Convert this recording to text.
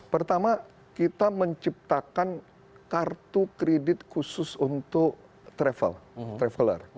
pertama kita menciptakan kartu kredit khusus untuk travel traveler